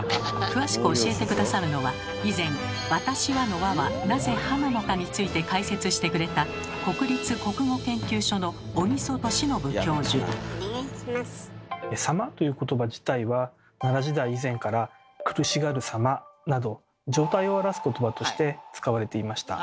詳しく教えて下さるのは以前「『私は』の『は』はなぜ『は』なのか」について解説してくれた「様」ということば自体は奈良時代以前から「苦しがるさま」など状態を表すことばとして使われていました。